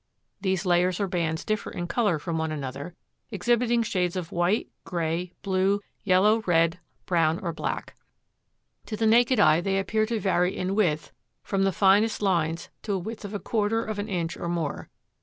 These layers or bands differ in color from one another, exhibiting shades of white, gray, blue, yellow, red, brown or black. To the naked eye they appear to vary in width from the finest lines to a width of a quarter of an inch or more.